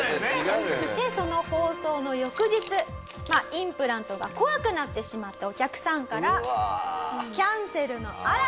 でその放送の翌日インプラントが怖くなってしまったお客さんからキャンセルの嵐。